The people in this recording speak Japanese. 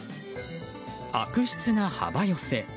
悪質な幅寄せ。